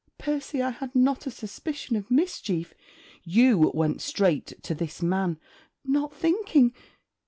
'Percy! I had not a suspicion of mischief.' 'You went straight to this man?' 'Not thinking...'